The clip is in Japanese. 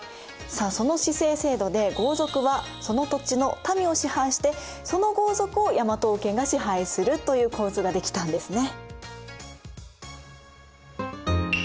さあその氏姓制度で豪族はその土地の民を支配してその豪族を大和王権が支配するという構図が出来たんですね。